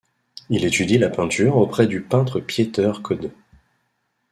Il étudie la peinture auprès du peintre Pieter Codde.